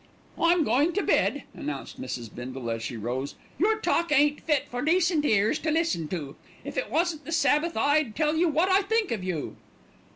"I'm goin' to bed," announced Mrs. Bindle, as she rose. "Your talk ain't fit for decent ears to listen to. If it wasn't the Sabbath I'd tell you wot I think of you."